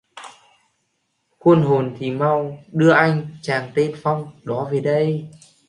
Khôn hồn thì mau đưa anh chàng tên phong đó về đây